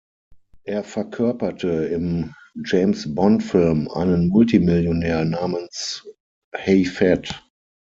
Er verkörperte im James-Bond-Film einen Multimillionär namens Hai Fat.